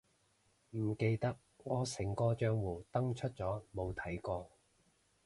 唔記得，我成個帳戶登出咗冇睇過